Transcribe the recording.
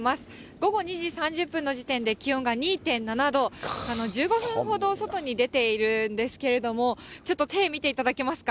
午後２時３０分の時点で、気温が２．７度、１５分ほど外に出ているんですけれども、ちょっと手見ていただけますか。